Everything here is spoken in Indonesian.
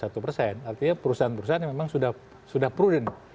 artinya perusahaan perusahaan yang memang sudah prudent